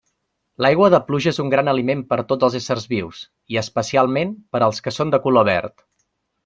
L'aigua de pluja és un gran aliment per a tots els éssers vius i, especialment, per als que són de color verd.